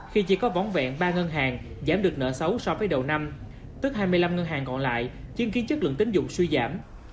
khi chỉ có vón vẹn ba ngân hàng giảm được nợ xấu so với đầu năm tức hai mươi năm ngân hàng còn lại chứng kiến chất lượng tính dụng suy giảm